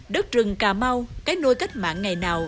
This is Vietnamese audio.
đất rừng cà mau cái nôi cách mạng ngày nào